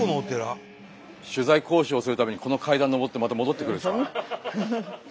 取材交渉するためにこの階段上ってまた戻ってくるんですか。